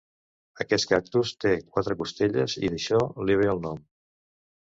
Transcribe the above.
Aquest cactus té quatre costelles i d'això li ve el nom.